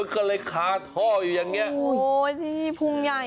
ก็เลยคาท่ออยู่อย่างเงี้โอ้ยที่พุงใหญ่